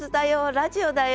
「ラヂオだよ」